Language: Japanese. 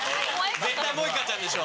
絶対モエカちゃんでしょ？